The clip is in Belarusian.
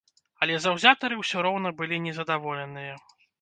Але заўзятары ўсё роўна былі не задаволеныя.